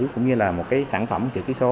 cũng như là một cái sản phẩm chữ ký số